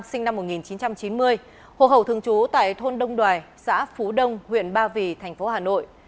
sinh năm một nghìn chín trăm chín mươi hộp hậu thường trú tại thôn đông đoài xã phú đông huyện ba vì tp hcm